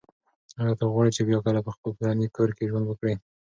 ایا ته غواړې چې بیا کله په خپل پلرني کور کې ژوند وکړې؟